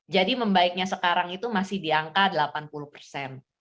jadi membaiknya sekarang itu masih di angka delapan puluh persen